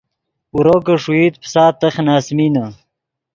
اورو کہ ݰوئیت پیسا تخ نے اَسۡمینے